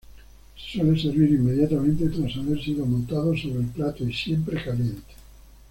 Se suele servir inmediatamente tras haber sido montado sobre el plato y siempre caliente.